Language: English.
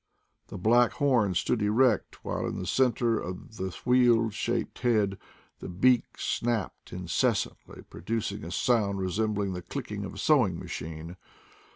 The black horns stood erect, while in the center of the wheel shaped head the beak snapped incessantly, producing a sound re sembling the clicking of a sewing machine.